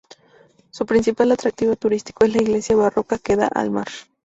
Su principal atractivo artístico es la iglesia barroca que da al mar.